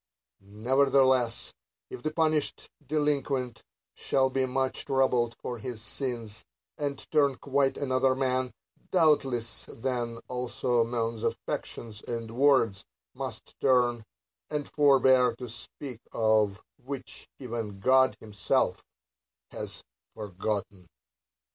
— Nevertheless, if the punished delinquent shall be much troubled for his sins, and turn quite another man, doubtless then also men's affections and words must turn, and forbear to speak of that, which even God himself hath forgotten.